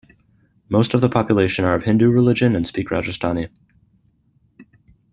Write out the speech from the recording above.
Most of the population are of Hindu religion and speak Rajasthani.